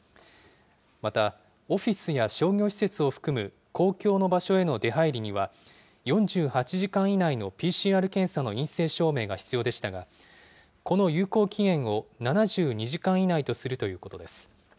また、オフィスや商業施設を含む公共の場所への出入りには、４８時間以内のＰＣＲ検査の陰性証明が必要でしたが、この有効期限を７２時間以内とするということです。